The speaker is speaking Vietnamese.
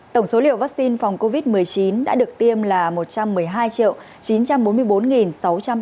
tổng số liều vaccine phòng covid một mươi chín đã được tiêm là một trăm một mươi hai chín trăm bốn mươi bốn sáu trăm ba mươi ca